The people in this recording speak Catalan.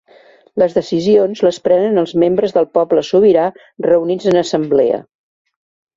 Les decisions les prenen els membres del poble sobirà reunits en assemblea.